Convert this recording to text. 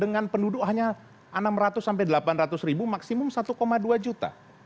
dengan penduduk hanya enam ratus sampai delapan ratus ribu maksimum satu dua juta